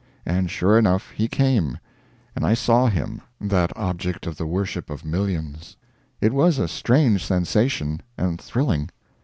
And sure enough, he came, and I saw him that object of the worship of millions. It was a strange sensation, and thrilling.